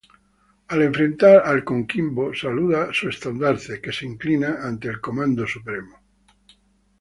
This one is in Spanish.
Al enfrentar al Coquimbo saluda su estandarte, que se inclina ante el Comando Supremo.